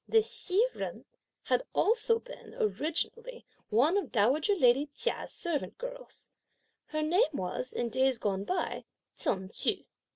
This Hsi Jen had also been, originally, one of dowager lady Chia's servant girls. Her name was in days gone by, Chen Chu.